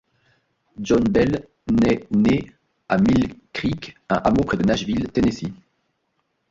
John Bell naît né à Mill Creek, un hameau près de Nashville, Tennessee.